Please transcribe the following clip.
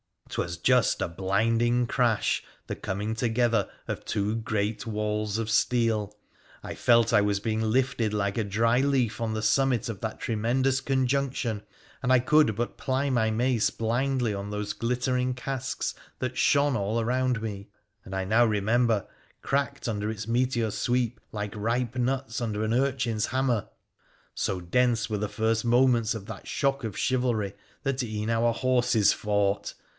'Twas just a blinding crash, the comin together of two great walls of steel ! I felt I was being lifte like a dry leaf on the summit of that tremendous conjunctior and I could but ply my mace blindly on those glittering casque that shone all round me, and, I now remember, cracked unde its meteor sweep like ripe nuts under an urchin's hammer. S dense were the first moments of that shock of chivalry tha e'en our horses fought.